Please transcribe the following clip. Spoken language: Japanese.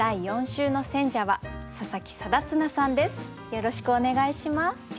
よろしくお願いします。